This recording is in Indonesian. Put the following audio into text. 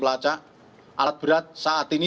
pelacak alat berat saat ini